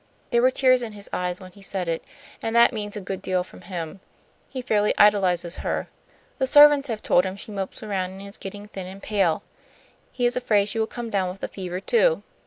There were tears in his eyes when he said it, and that means a good deal from him. He fairly idolizes her. The servants have told him she mopes around and is getting thin and pale. He is afraid she will come down with the fever, too.